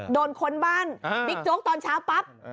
ค้นบ้านบิ๊กโจ๊กตอนเช้าปั๊บ